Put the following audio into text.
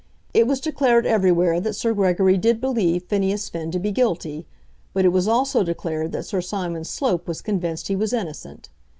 It was declared everywhere that Sir Gregory did believe Phineas Finn to be guilty, but it was also declared that Sir Simon Slope was convinced he was innocent.